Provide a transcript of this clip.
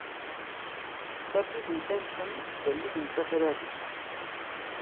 Tallit n tensayit d tallit n tetrarit.